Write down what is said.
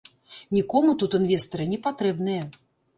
Нікому тут інвестары не патрэбныя!